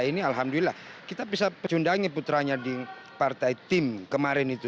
ini alhamdulillah kita bisa pecundangi putranya di partai tim kemarin itu